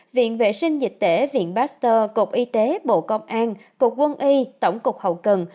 viện vệ sinh dịch tễ viện baxter cục y tế bộ công an cục quân y tổng cục hậu cần